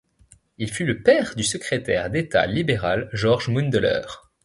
Il fut le père du secrétaire d'État libéral Georges Mundeleer.